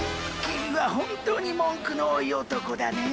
君は本当に文句の多い男だね。